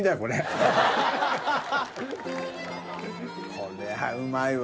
これはうまいわ。